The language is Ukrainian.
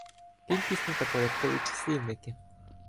Кількісні та порядкові числівники